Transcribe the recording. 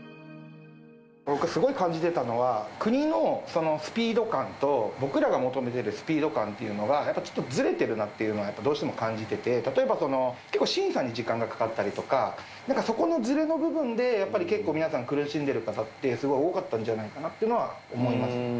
僕、すごい感じてたのは、国のスピード感と、僕らが求めてるスピード感っていうのが、やっぱりちょっとずれてるなっていうのは、どうしても感じてて、例えば、結構審査に時間がかかったりとか、なんかそこのずれの部分で、やっぱり結構皆さん、苦しんでる方って、すごい多かったんじゃないかなっていうのは思います。